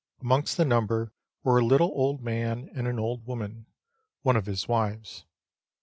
Amongst the number were a little old man, and an old woman, one of his wives.